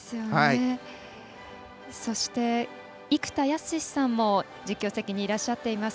そして、生田泰志さんも実況席にいらっしゃっています。